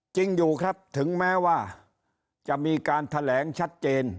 จริงอยู่ครับถึงแม้ว่าจะมีการแถลงชัดเจน